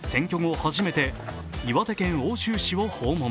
初めて岩手県奥州市を訪問。